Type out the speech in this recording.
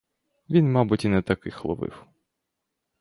Він, мабуть, і не таких ловив.